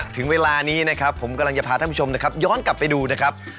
ถึงเวลานี้นะครับผมกำลังจะพาท่านผู้ชมนะครับย้อนกลับไปดูนะครับ